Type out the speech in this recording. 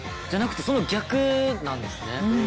じゃなくてその逆なんですね。